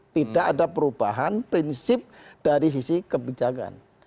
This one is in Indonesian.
tidak ada perubahan prinsip dari sisi kebijakan